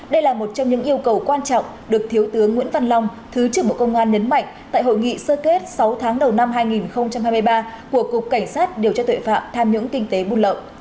đây là một trong những yêu cầu quan trọng được thiếu tướng nguyễn văn long thứ trưởng bộ công an nhấn mạnh tại hội nghị sơ kết sáu tháng đầu năm hai nghìn hai mươi ba của cục cảnh sát điều tra tuệ phạm tham nhũng kinh tế buôn lậu